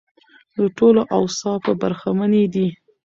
له ټولو اوصافو برخمنې دي.